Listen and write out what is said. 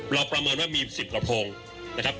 ประเมินว่ามี๑๐ลำโพงนะครับ